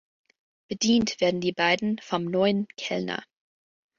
Bedient werden die beiden vom neuen „Kellner“.